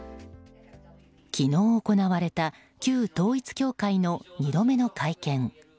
昨日行われた旧統一教会の２度目の会見。